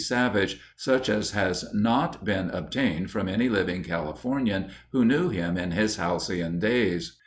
Savage such as has not been obtained from any living Californian who knew him in his halcyon days.